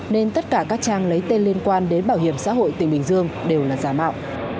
nên tất cả các trang lấy tên liên quan đến bảo hiểm xã hội tỉnh bình dương đều là giả mạo